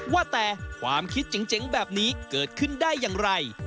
ว่าแต่ความคิดเจ๋งแบบนี้เกิดขึ้นได้อย่างไร